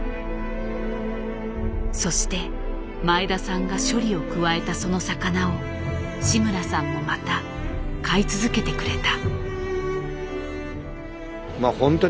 そして前田さんが処理を加えたその魚を志村さんもまた買い続けてくれた。